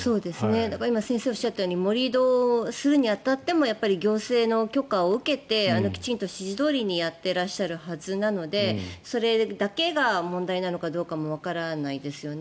今、先生がおっしゃったように盛り土するに当たっても行政の許可を受けてきちんと指示どおりにやっていらっしゃるはずなのでそれだけが問題なのかどうかもわからないですよね。